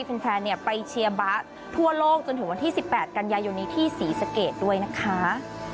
คุณแฟนเนี้ยไปเชียร์บาสทั่วโลกจนถึงวันที่สิบแปดกันยายวันนี้ที่สีสเกจด้วยนะคะ